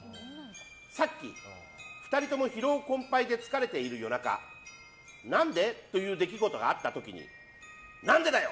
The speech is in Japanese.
さっき、２人とも疲労困憊で疲れている夜中何で？という出来事があった時に何でだよ！